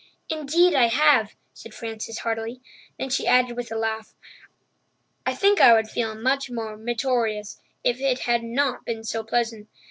"Indeed, I have," said Frances heartily. Then she added with a laugh, "I think I would feel much more meritorious if it had not been so pleasant.